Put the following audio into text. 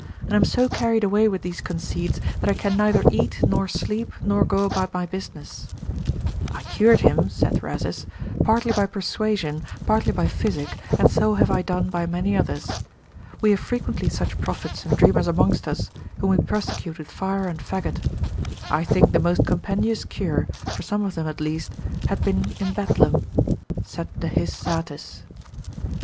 and am so carried away with these conceits, that I can neither eat, nor sleep, nor go about my business: I cured him (saith Rhasis) partly by persuasion, partly by physic, and so have I done by many others. We have frequently such prophets and dreamers amongst us, whom we persecute with fire and faggot: I think the most compendious cure, for some of them at least, had been in Bedlam. Sed de his satis.